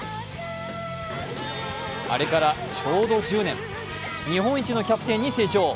あれからちょうど１０年日本一のキャプテンに成長。